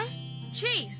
チェイス！